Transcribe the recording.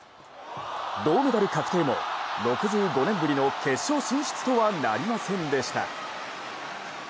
銅メダル確定も６５年ぶりの決勝進出とはなりませんでした。